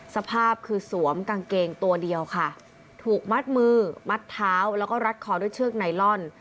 สภาพคือสวมกางเกงตัวเดียวค่ะถูกมัดมือมัดเท้าแล้วก็รัดคอด้วยเชือกไนลอน